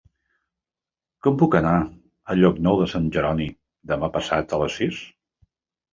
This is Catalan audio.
Com puc anar a Llocnou de Sant Jeroni demà passat a les sis?